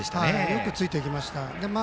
よくついていきました。